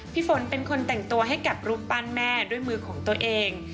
พี่ฝนเป็นคนแต่งตัวให้กับรูปปั้นแม่ด้วยมือของตัวเอง